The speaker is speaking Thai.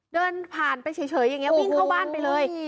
เดินผ่านไปเฉยอย่างนี้วิ่งเข้าบ้านไปเลย